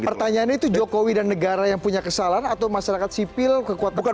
pertanyaannya itu jokowi dan negara yang punya kesalahan atau masyarakat sipil kekuatan politik